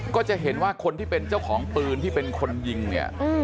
ก็จะเห็นว่าคนที่เป็นเจ้าของปืนที่เป็นคนยิงเนี่ย